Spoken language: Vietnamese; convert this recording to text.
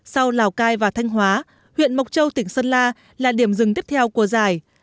sau lào cai và thanh hóa huyện mộc châu tỉnh sơn la là điểm dừng tiếp theo của giải